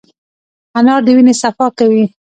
انار د وینې صفا کوي.